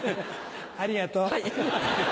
ありがとう。